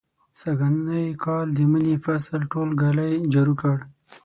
سږنی کال د مني فصل ټول ږلۍ جارو کړ.